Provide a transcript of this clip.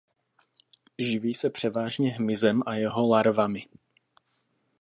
Živí se převážně hmyzem a jeho larvami.